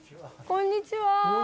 こんにちは。